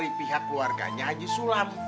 kemarin dari pihak keluarganya haji sulem